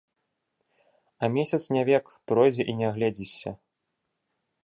А месяц не век, пройдзе, і не агледзішся.